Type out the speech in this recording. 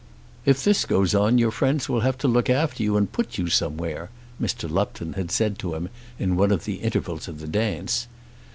"If this goes on, your friends will have to look after you and put you somewhere," Mr. Lupton had said to him in one of the intervals of the dance.